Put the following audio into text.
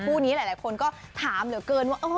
คู่นี้หลายคนก็ถามเหลือเกินว่า